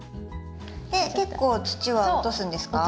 結構土は落とすんですか？